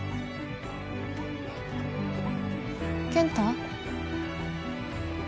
健太？